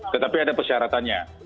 tetapi ada persyaratannya